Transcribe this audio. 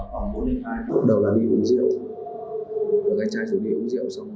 khoảng bốn đến hai lúc đầu là đi uống rượu